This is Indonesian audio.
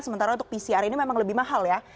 sementara untuk pcr ini memang lebih mahal ya